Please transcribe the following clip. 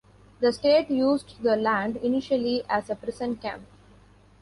The state used the land initially as a prison camp.